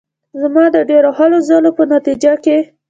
زما د ډېرو هلو ځلو په نتیجه کې.